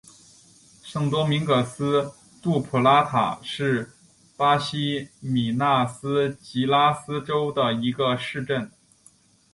圣多明戈斯杜普拉塔是巴西米纳斯吉拉斯州的一个市镇。